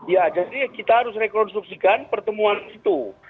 ya jadi kita harus rekonstruksikan pertemuan itu